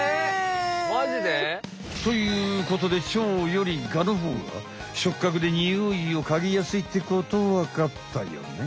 ということでチョウよりガの方が触角でニオイをかぎやすいってことわかったよね？